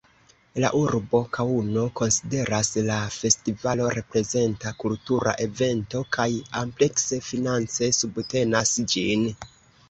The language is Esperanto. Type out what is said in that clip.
La urbo Kaŭno konsideras la festivalo reprezenta kultura evento kaj amplekse finance subtenas ĝin.